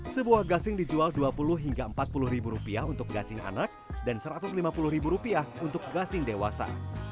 sebuah gasing dijual dua puluh hingga empat puluh ribu rupiah untuk gasing anak dan satu ratus lima puluh ribu rupiah untuk gasing dewasa